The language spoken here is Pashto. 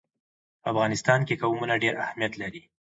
په افغانستان کې قومونه ډېر اهمیت لري.